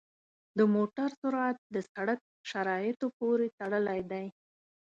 د موټر سرعت د سړک شرایطو پورې تړلی دی.